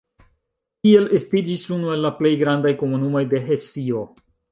Tiel estiĝis unu el la plej grandaj komunumoj de Hesio.